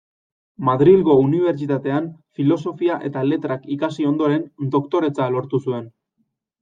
Madrilgo Unibertsitatean Filosofia eta Letrak ikasi ondoren, doktoretza lortu zuen.